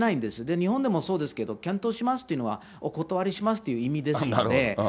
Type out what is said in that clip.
日本でもそうですけど、検討しますというのは、お断りしますという意味ですので。